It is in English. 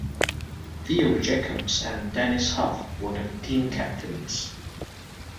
Theo Jacobs and Dennis Huff were the team captains.